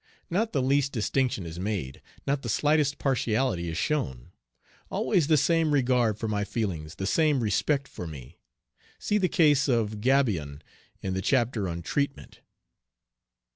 Not the least distinction is made. Not the slightest partiality is shown. Always the same regard for my feelings, the same respect for me! See the case of gabion in the chapter on "Treatment."